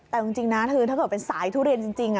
แต่จริงนะคือถ้าเกิดเป็นสายทุเรียนจริง